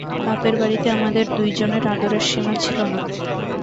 বাপের বাড়িতে আমাদের দুইজনের আদরের সীমা ছিল না।